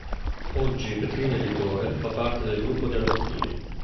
Oggi Petrini Editore fa parte del Gruppo De Agostini.